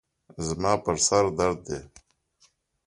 زما پر سر درد دی.